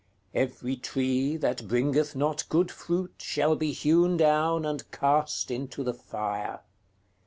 "Every tree that bringeth not forth good fruit shall be hewn down, and cast into the fire."